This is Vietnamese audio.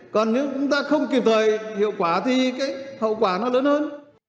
còn nếu chúng ta không kịp thời hiệu quả thì cái hậu quả nó lớn hơn